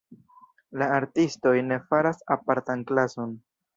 La artistoj ne faras apartan klason.